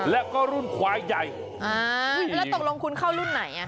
แล้วก็รุ่นควายใหญ่อ่าแล้วตกลงคุณเข้ารุ่นไหนอ่ะ